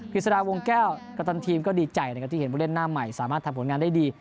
ฤษฎาวงแก้วกัปตันทีมก็ดีใจนะครับที่เห็นผู้เล่นหน้าใหม่สามารถทำผลงานได้ดี